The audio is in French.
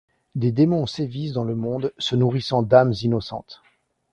Des démons sévissent dans le monde, se nourrissant d'âmes innocentes.